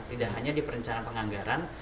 tidak hanya di perencanaan penganggaran